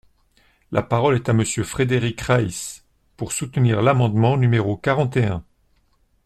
La parole est à Monsieur Frédéric Reiss, pour soutenir l’amendement numéro quarante et un.